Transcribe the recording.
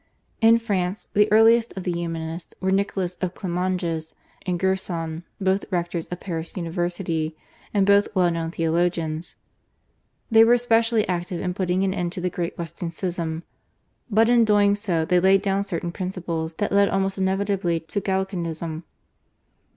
In France the earliest of the Humanists were Nicholas of Clemanges and Gerson, both rectors of Paris University, and both well known theologians. They were specially active in putting an end to the Great Western Schism, but in doing so they laid down certain principles that led almost inevitably to Gallicanism.